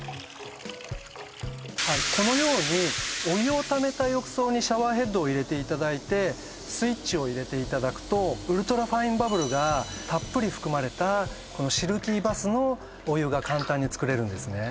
このようにお湯をためた浴槽にシャワーヘッドを入れていただいてスイッチを入れていただくとウルトラファインバブルがたっぷり含まれたシルキーバスのお湯が簡単につくれるんですね